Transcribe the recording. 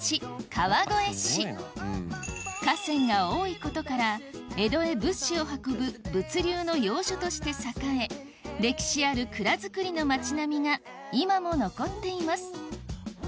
川越市河川が多いことから江戸へ物資を運ぶ物流の要所として栄え歴史ある蔵造りの町並みが今も残っています